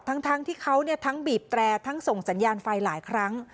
ทั้งที่เขาทั้งบีบแตรทั้งส่งสัญญาณไฟหลายครั้ง